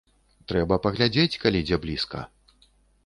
Трэба паглядзець, калі дзе блізка.